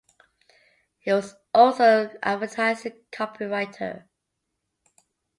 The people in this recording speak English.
He was also an advertising copywriter.